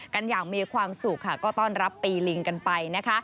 กันอย่างมีความสุขค่ะก็ต้อนรับปีลิงกันไปนะคะ